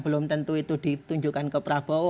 belum tentu itu ditunjukkan ke prabowo